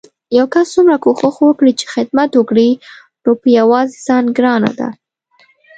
يو کس څومره کوښښ وکړي چې خدمت وکړي نو په يوازې ځان ګرانه ده